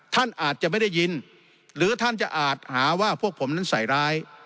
ท่านอาจจะไม่ได้ยินหรือท่านจะอาจหาว่าพวกผมนั้นใส่ร้าย